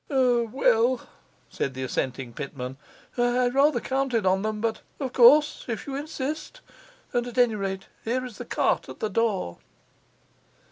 'O, well,' said the assenting Pitman, 'I rather counted on them; but of course, if you insist. And at any rate, here is the cart at the door.